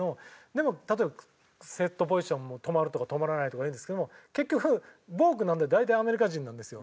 でも例えばセットポジションも止まるとか止まらないとかいうんですけども結局ボークなんて大体アメリカ人なんですよ。